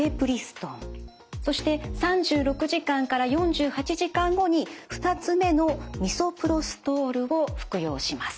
そして３６時間から４８時間後に２つ目のミソプロストールを服用します。